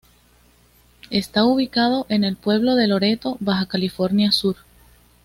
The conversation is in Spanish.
Está ubicado en el pueblo de Loreto, Baja California Sur.